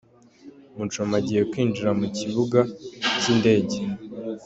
Muchoma agiye kwinjra mu kibuga cy'indege.